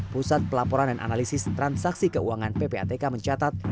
pusat pelaporan dan analisis transaksi keuangan ppatk mencatat